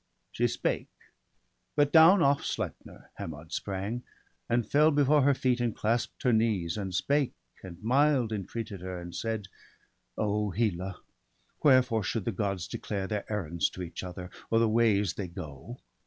She spake : but down off Sleipner Hermod sprang, And fell before her feet, and clasp'd her knees; And spake, and mild entreated her, and said :—' O Hela, wherefore should the Gods declare Their errands to each other, or the ways They go?